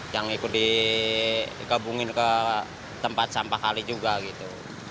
yang ikut digabungin ke tempat sampah kali juga gitu